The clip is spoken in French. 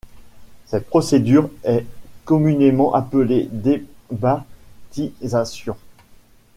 Cette procédure est communément appelée débaptisation.